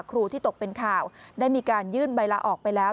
ครูที่ตกเป็นข่าวได้มีการยื่นใบลาออกไปแล้ว